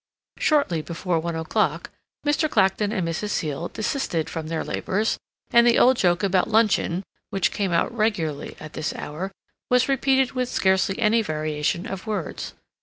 Shortly before one o'clock Mr. Clacton and Mrs. Seal desisted from their labors, and the old joke about luncheon, which came out regularly at this hour, was repeated with scarcely any variation of words.